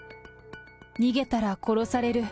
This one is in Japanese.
逃げたら殺される。